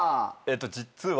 実は。